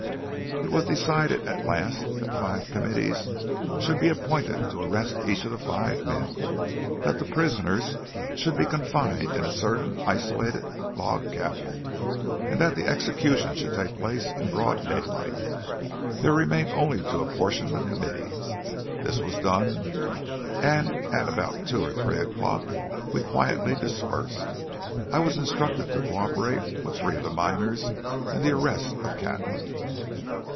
It was decided at last that five committees should be appointed to arrest each of the five men, that the prisoners should be confined in a certain isolated log cabin, and that the execution should take place in broad daylight. There remained only to apportion the committees. This was done, and at about two or three o'clock we quietly dispersed. I was instructed to coöperate with three of the miners in the arrest of Catlin.